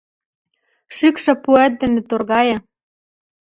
— Шӱкшӧ пуэт дене торгае...